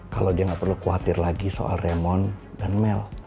kalau dia nggak perlu khawatir lagi soal remon dan mel